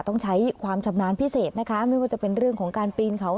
ต้องใช้ความชำนาญพิเศษนะคะไม่ว่าจะเป็นเรื่องของการปีนเขา